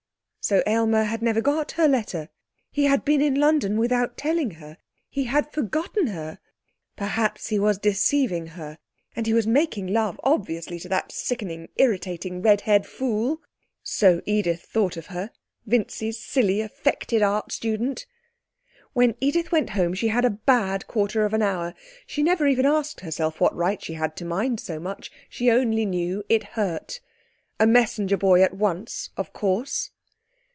So Aylmer had never got her letter? He had been in London without telling her. He had forgotten her. Perhaps he was deceiving her? And he was making love obviously to that sickening, irritating red haired fool (so Edith thought of her), Vincy's silly, affected art student. When Edith went home she had a bad quarter of an hour. She never even asked herself what right she had to mind so much; she only knew it hurt. A messenger boy at once, of course.